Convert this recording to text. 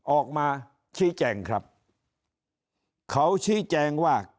ออกมาชี้แจงครับเขาชี้แจงว่า